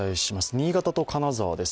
新潟と金沢です。